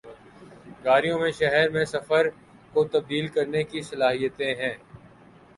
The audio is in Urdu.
گاڑیوں میں شہر میں سفر کو تبدیل کرنے کی صلاحیت ہے